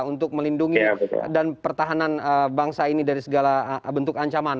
untuk melindungi dan pertahanan bangsa ini dari segala bentuk ancaman